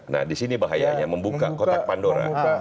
nah disini bahayanya membuka kotak pandora